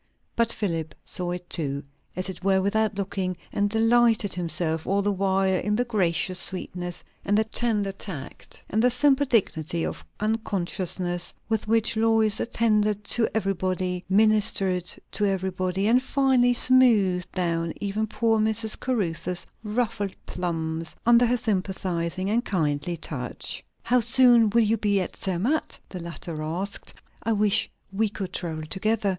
But Philip saw it too, as it were without looking; and delighted himself all the while in the gracious sweetness, and the tender tact, and the simple dignity of unconsciousness, with which Lois attended to everybody, ministered to everybody, and finally smoothed down even poor Mrs. Caruthers' ruffled plumes under her sympathizing and kindly touch. "How soon will you be at Zermatt?" the latter asked. "I wish we could travel together!